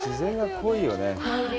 自然が濃いよね。